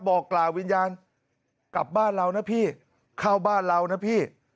บอกกล่าววิญญาณกลับบ้านเรานะพี่เข้าบ้านเรานะพี่